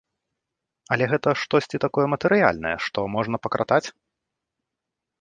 Але гэта штосьці такое матэрыяльнае, што можна пакратаць?